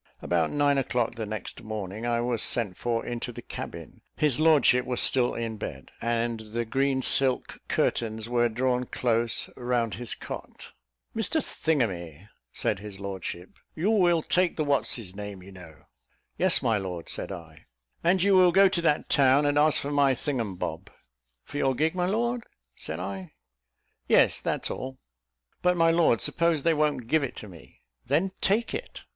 About nine o'clock the next morning, I was sent for into the cabin; his lordship was still in bed, and the green silk curtains were drawn close round his cot. "Mr Thingamy," said his lordship, "you will take the what's his name, you know." "Yes, my lord," said I. "And you will go to that town, and ask for my thingumbob." "For your gig, my lord?" said I. "Yes, that's all." "But, my lord, suppose they won't give it to me?" "Then take it."